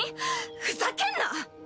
ふざけんな！